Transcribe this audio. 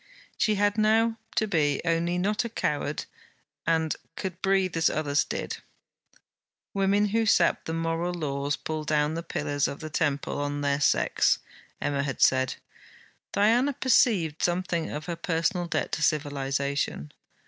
She had now to be, only not a coward, and she could breathe as others did. 'Women who sap the moral laws pull down the pillars of the temple on their sex,' Emma had said. Diana perceived something of her personal debt to civilization.